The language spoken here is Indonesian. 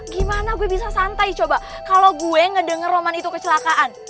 gimana gue bisa santai coba kalau gue ngedenger roman itu kecelakaan